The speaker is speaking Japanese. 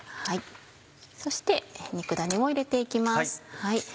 そして肉ダネを入れて行きます。